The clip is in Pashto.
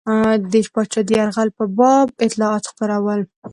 د پاچا د یرغل په باب اطلاعات خپرول.